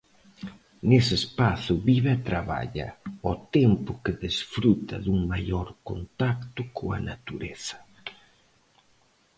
Nese espazo vive e traballa, ao tempo que desfruta dun maior contacto coa natureza.